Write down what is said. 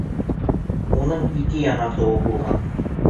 Уның ике янартауы булған.